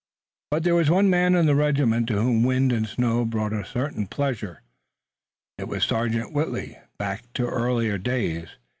But there was one man in the regiment to whom wind and snow brought a certain pleasure. It took Sergeant Whitley back to earlier days.